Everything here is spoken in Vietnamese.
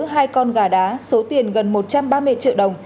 hai con gà đá số tiền gần một trăm ba mươi triệu đồng